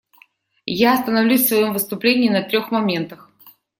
Я остановлюсь в своем выступлении на трех моментах.